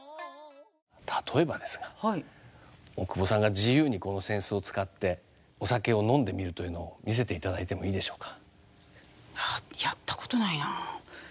例えばですが大久保さんが自由にこの扇子を使ってお酒を飲んでみるというのを見せていただいてもいいでしょうか？